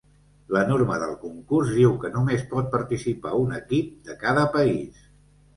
La norma del concurs diu que només pot participar un equip de cada país.